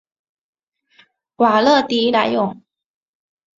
瓦勒迪莱永。